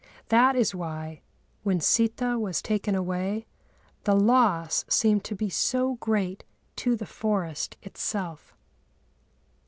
That is why, when Sitâ was taken away, the loss seemed to be so great to the forest itself.